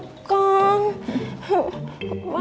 bapak mau ngecek nggak